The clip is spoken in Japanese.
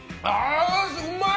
うまい！